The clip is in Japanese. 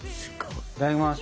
いただきます！